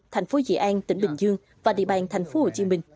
thành phố dị an tỉnh bình dương và địa bàn tp hcm